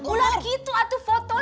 ular gitu atuh foto